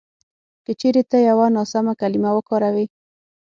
که چېرې ته یوه ناسمه کلیمه وکاروې